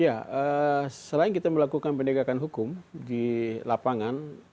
ya selain kita melakukan pendegakan hukum di lapangan